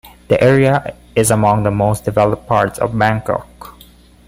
The area is among the most developed parts of Bangkok.